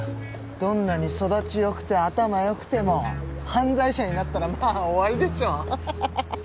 どんなに育ちよくて頭よくても犯罪者になったらまあ終わりでしょハハハハハ